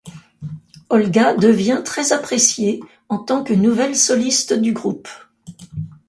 Olga devient très appréciée en tant que nouvelle soliste du groupe.